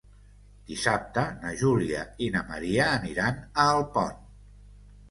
Dissabte na Júlia i na Maria aniran a Alpont.